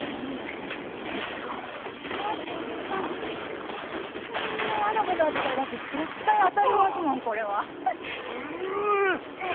これは絶対こんなやなことあったらだって絶対当たりますもんこれは。ああ。